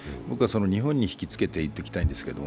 日本に引きつけて言っておきたいんだけど